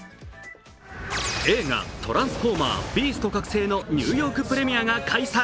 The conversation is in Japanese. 映画「トランスフォーマー／ビースト覚醒」のニューヨークプレミアが開催。